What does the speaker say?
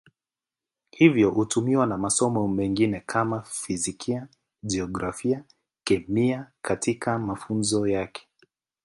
Hivyo hutumiwa na masomo mengine kama Fizikia, Jiografia, Kemia katika mafunzo yake.